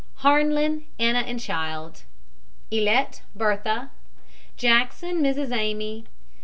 HARNLIN, ANNA, and Child ILETT, BERTHA. JACKSON, MRS. AMY.